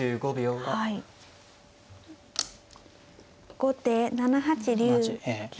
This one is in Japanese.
後手７八竜。